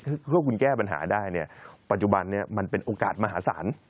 ถ้าคุณแก้ปัญหาได้เนี่ยปัจจุบันนี้มันเป็นโอกาสมหาศาล